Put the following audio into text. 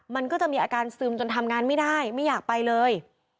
มันก็จะมีอาการซึมจนทำงานไม่ได้ไม่อยากไปเลย